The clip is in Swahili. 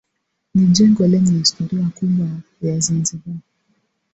Ni jengo lenye historia kubwa ya Zanzibar